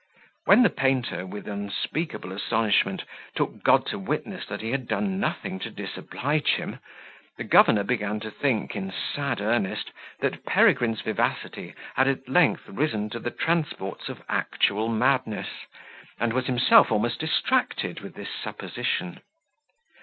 When the painter, with unspeakable astonishment, took God to witness that he had done nothing to disoblige him, the governor began to think, in sad earnest, that Peregrine's vivacity had at length risen to the transports of actual madness, and was himself almost distracted with this supposition.